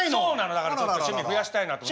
だからちょっと趣味増やしたいなって。